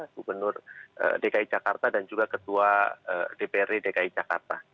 gubernur dki jakarta dan juga ketua dprd dki jakarta